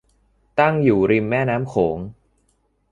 ตั้งอยู่ริมแม่น้ำโขง